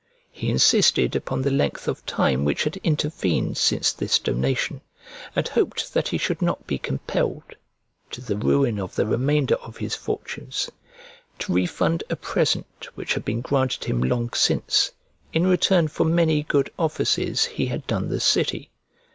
He insisted upon the length of time which had intervened since this donation, and hoped that he should not be compelled, to the ruin of the remainder of his fortunes, to refund a present which had been granted him long since, in return for many good offices he had done the city.